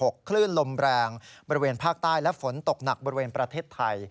คลื่นลมแรงบริเวณภาคใต้และฝนตกหนักบริเวณประเทศไทย